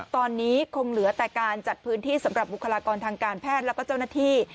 ตอนนี้คงเหลือแต่การจัดพื้นที่สำหรับบุคลากรทางการแพทย์แล้วก็เจ้าหน้าที่